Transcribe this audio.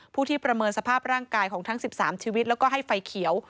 ผู้ที่ประเมินสภาพร่างกายของทั้ง๑๓ชีวิตแล้วก็ให้ไฟเขียว